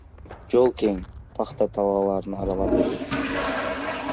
Жол кең пахта талааларын аралап өтөт.